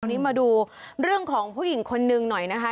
วันนี้มาดูเรื่องของผู้หญิงคนนึงหน่อยนะคะ